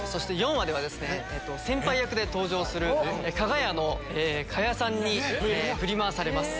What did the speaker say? ４話では先輩役で登場するかが屋の賀屋さんに振り回されます。